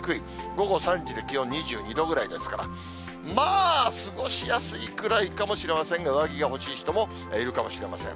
午後３時で気温２２度ぐらいですから、まあ、過ごしやすいくらいかもしれませんが、上着が欲しい人もいるかもしれません。